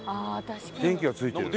電気がついてるね。